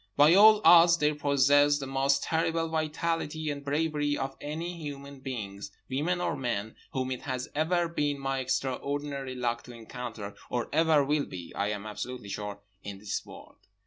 By all odds they possessed the most terrible vitality and bravery of any human beings, women or men, whom it has ever been my extraordinary luck to encounter, or ever will be (I am absolutely sure) in this world.